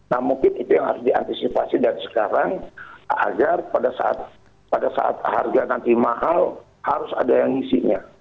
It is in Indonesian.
nah mungkin itu yang harus diantisipasi dari sekarang agar pada saat harga nanti mahal harus ada yang ngisinya